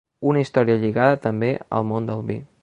Una història lligada també al món del vi.